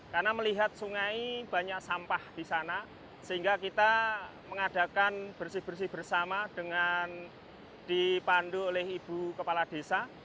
karena melihat sungai banyak sampah di sana sehingga kita mengadakan bersih bersih bersama dengan dipandu oleh ibu kepala desa